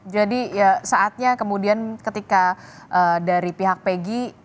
jadi saatnya kemudian ketika dari pihak pegi